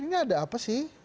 ini ada apa sih